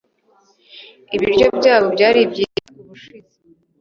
Ibiryo byabo byari byiza ubushize